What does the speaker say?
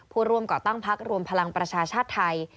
ผู้ร่วมก่อตั้งพักรวมพลังประชาชาติไทย